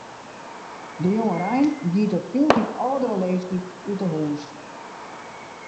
De jongerein giet op hieltyd âldere leeftiid út 'e hús.